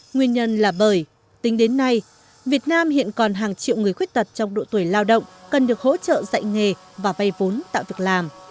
nguyên nhân là bởi tính đến nay việt nam hiện còn hàng triệu người khuyết tật trong độ tuổi lao động cần được hỗ trợ dạy nghề và vay vốn tạo việc làm